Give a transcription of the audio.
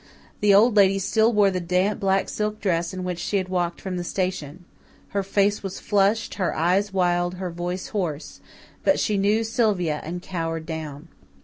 The Old Lady still wore the damp black silk dress in which she had walked from the station. Her face was flushed, her eyes wild, her voice hoarse. But she knew Sylvia and cowered down.